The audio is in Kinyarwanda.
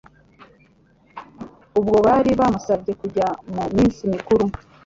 ubwo bari bamusabye kujya mu minsi mikuru.